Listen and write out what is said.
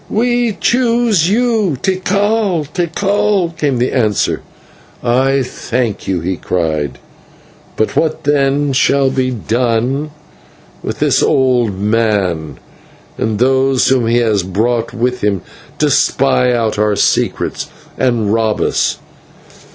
"We choose you, Tikal, Tikal!" came the answer. "I thank you," he cried, "but what then shall be done with this old man, and those whom he has brought with him to spy out our secrets and to rob us?"